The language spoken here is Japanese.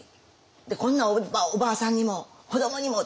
こんなおばあさんにも子どもにもとか。